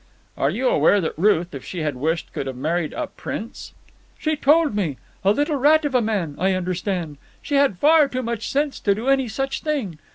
"Are you aware that Ruth, if she had wished, could have married a prince?" "She told me. A little rat of a man, I understand. She had far too much sense to do any such thing.